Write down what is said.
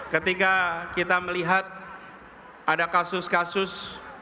ketika kita melihat ada kasus kasus